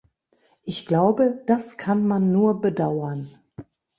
Ich glaube, das kann man nur bedauern.